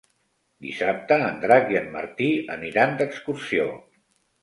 Dissabte en Drac i en Martí aniran d'excursió.